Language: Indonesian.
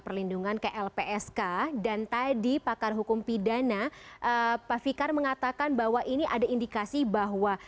perlindungan ke lpsk dan tadi pakar hukum pidana pak fikar mengatakan bahwa ini ada indikasi bahwa